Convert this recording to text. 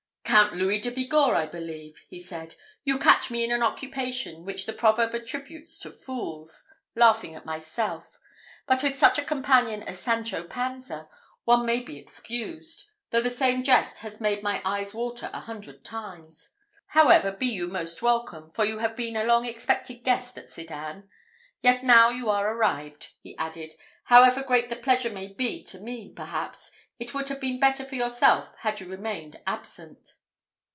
"Count Louis de Bigorre, I believe?" he said; "you catch me in an occupation which the proverb attributes to fools laughing by myself; but with such a companion as Sancho Panza, one may be excused, though the same jest has made my eyes water a hundred times. However, be you most welcome, for you have been a long expected guest at Sedan. Yet now you are arrived," he added, "however great the pleasure may be to me, perhaps it would have been better for yourself had you remained absent."